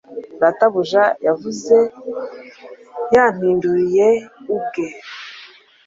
Databuja yavuze Yampinduye ubwe